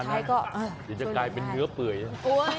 สุดท้ายก็เออเดี๋ยวจะกลายเป็นเนื้อเปื่อยน่ะอุ้ย